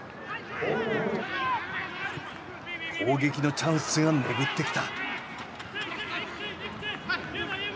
攻撃のチャンスが巡ってきた。